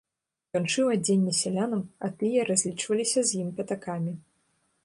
Ён шыў адзенне сялянам, а тыя разлічваліся з ім пятакамі.